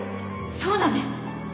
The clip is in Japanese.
そうだね。